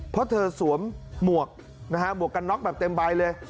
เพราะเธอสวมหมวกนะฮะหมวกกันน็อกแบบเต็มใบเลย